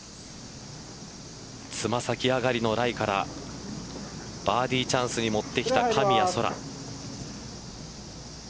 爪先上がりのライからバーディーチャンスに持ってきた神谷そら。